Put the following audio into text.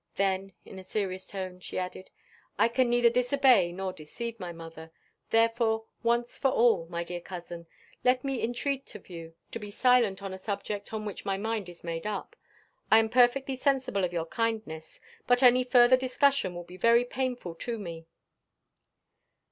Then, in a serious tone, she added, "I can neither disobey nor deceive my mother. Therefore, once for all, my dear cousin, let me entreat of you to be silent on a subject on which my mind is made up. I am perfectly sensible of your kindness, but any further discussion will be very painful to me."